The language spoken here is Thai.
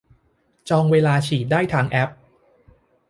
จองเวลาฉีดได้ทางแอป